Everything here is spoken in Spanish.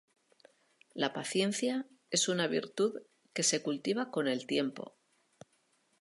La paciencia es una virtud que se cultiva con el tiempo.